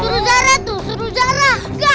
suruh zara tuh suruh zara